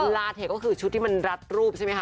ลาเทคก็คือชุดที่มันรัดรูปใช่ไหมคะ